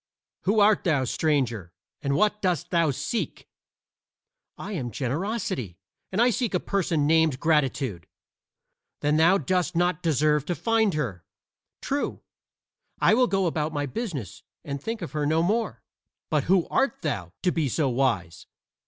"Who art thou, stranger, and what dost thou seek?" "I am Generosity, and I seek a person named Gratitude." "Then thou dost not deserve to find her." "True. I will go about my business and think of her no more. But who art thou, to be so wise?"